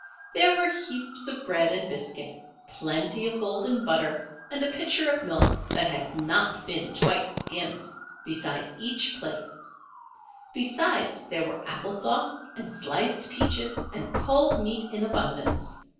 There were heaps of bread and biscuit, plenty of golden butter, and a pitcher of milk that had not been twice skimmed, beside each plate. Besides, there were apple sauce and sliced peaches and cold meat in abundance.